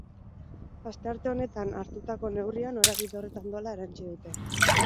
Astearte honetan hartutako neurria norabide horretan doala erantsi dute.